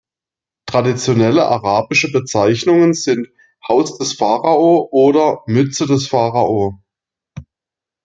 Traditionelle arabische Bezeichnungen sind „Haus des Pharao“ oder „Mütze des Pharao“.